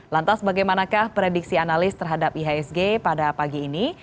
lantas bagaimanakah prediksi analis terhadap ihsg pada pagi ini